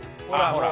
ほら！